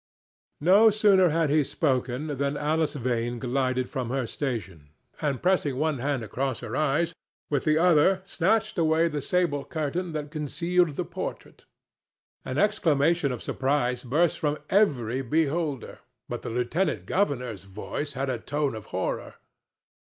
No sooner had he spoken than Alice Vane glided from her station, and, pressing one hand across her eyes, with the other snatched away the sable curtain that concealed the portrait. An exclamation of surprise burst from every beholder, but the lieutenant governor's voice had a tone of horror.